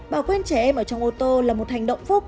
bỏ quên trẻ em ở trong ô tô là một hành động phân biệt